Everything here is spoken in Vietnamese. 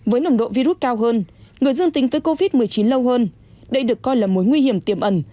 với nồng độ virus cao hơn người dương tính với covid một mươi chín lâu hơn đây được coi là mối nguy hiểm tiềm ẩn